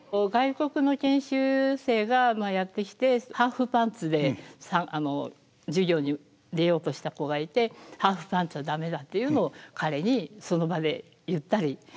外国の研修生がやって来てハーフパンツで授業に出ようとした子がいて「ハーフパンツは駄目だ」っていうのを彼にその場で言ったり。